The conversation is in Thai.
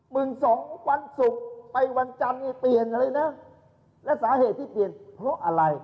มึงสองวันศุกร์ไปวันจันทร์เนี่ยเปลี่ยนอะไรนะและสาเหตุที่เปลี่ยนเพราะอะไร